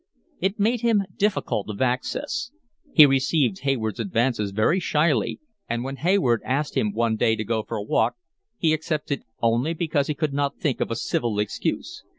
It made him difficult of access. He received Hayward's advances very shyly, and when Hayward asked him one day to go for a walk he accepted only because he could not think of a civil excuse.